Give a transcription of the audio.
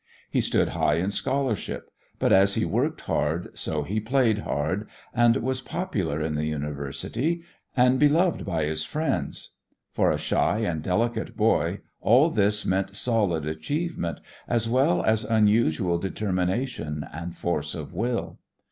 He stood high in scholarship, but as he worked hard, so he played hard, and was popular in the university and beloved by his friends. For a shy and delicate boy all this meant solid achievement, as well as unusual determination and force of will.